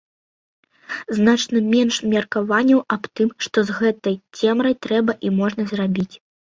Значна менш меркаванняў аб тым, што з гэтай цемрай трэба і можна зрабіць.